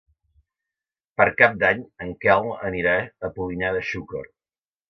Per Cap d'Any en Quel anirà a Polinyà de Xúquer.